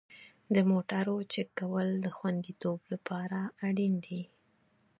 د موټرو چک کول د خوندیتوب لپاره اړین دي.